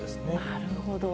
なるほど。